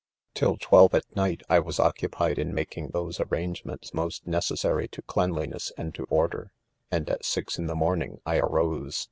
'■Till twelve at night, I was occupied in ■ making those arrangements most necessary to cleanliness and to order ; and at sis in the morn ing, I arose.